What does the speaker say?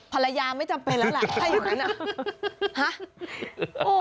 ภรรยาไม่จำเป็นแล้วแหละถ้าอยู่อย่างนั้น